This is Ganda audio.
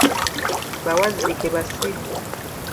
Bawazzike basiru.